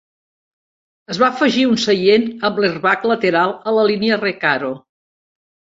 Es va afegir un seient amb airbag lateral a la línia Recaro.